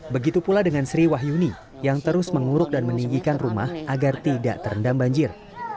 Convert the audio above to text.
begitu pula dengan sri wahyuni yang terus menguruk dan meninggikan rumah agar tidak terendam banjir